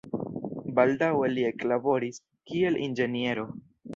Baldaŭe li eklaboris, kiel inĝeniero.